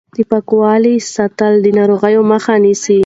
د پاکوالي ساتل د ناروغۍ مخه نیسي.